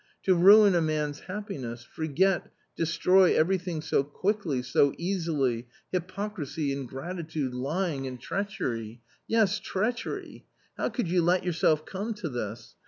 To ruin a man's happiness, forget, destroy everything so quickly, so easily, hypocrisy, ingratitude, lying and treachery !— yes, treachery ! How could you let yourself come to this